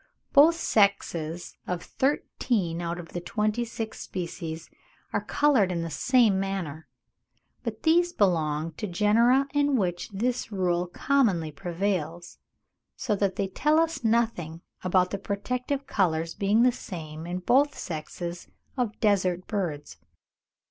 Both sexes of thirteen out of the twenty six species are coloured in the same manner; but these belong to genera in which this rule commonly prevails, so that they tell us nothing about the protective colours being the same in both sexes of desert birds.